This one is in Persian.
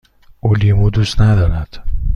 او لیمو دوست ندارد.